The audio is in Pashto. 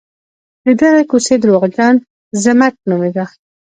د دغې کوڅې درواغجن ضمټ نومېده.